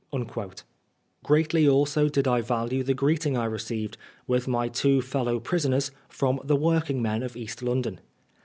'* Greatly also did I value the greeting I received, with my two fellow prisoners, from the working men of East London.